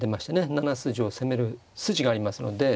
７筋を攻める筋がありますので。